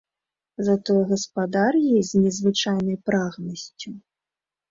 Затое гаспадар есць з незвычайнай прагнасцю.